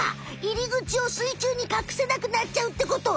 入り口を水中にかくせなくなっちゃうってこと！